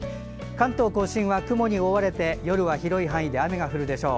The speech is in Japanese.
関東・甲信は雲に覆われて夜は広い範囲で雨が降るでしょう。